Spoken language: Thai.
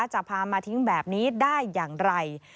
จะพามาทิ้งแบบนี้ได้อย่างไร